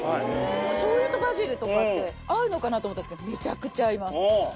しょうゆとバジルとかって合うのかな？と思ったんですけどめちゃくちゃ合います。